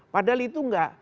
padahal itu enggak